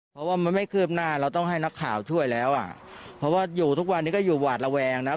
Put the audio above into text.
เพราะว่ามันไม่คืบหน้าเราต้องให้นักข่าวช่วยแล้วอ่ะเพราะว่าอยู่ทุกวันนี้ก็อยู่หวาดระแวงนะ